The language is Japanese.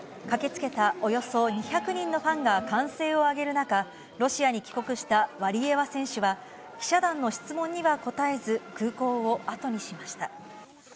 駆けつけたおよそ２００人のファンが歓声を上げる中、ロシアに帰国したワリエワ選手は、記者団の質問には答えず、空港を後にしました。